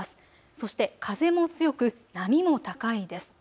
そして風も強く、波も高いです。